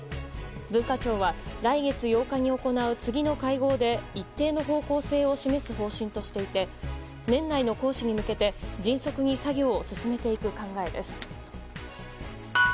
文化庁は、来月８日に行う次の会合で一定の方向性を示す方針としていて年内の行使に向けて迅速に作業を進めていく考えです。